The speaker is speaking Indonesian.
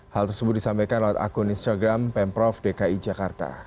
hal tersebut disampaikan lewat akun instagram pemprov dki jakarta